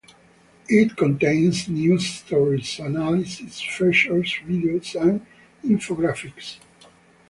It contains news stories, analysis, features, videos and infographics.